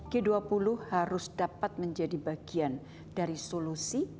g dua puluh harus dapat menjadi bagian dari solusi